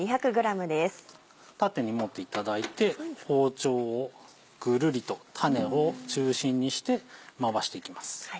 縦に持っていただいて包丁をぐるりと種を中心にして回していきます。